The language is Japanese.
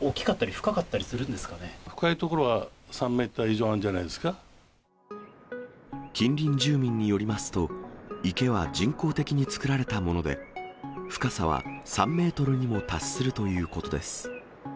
大きかったり深かったりする深い所は３メーター以上ある近隣住民によりますと、池は人工的に作られたもので、深さは３メートルにも達するということです。